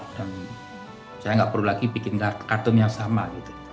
dan saya gak perlu lagi bikin kartun yang sama gitu